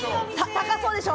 高そうでしょ。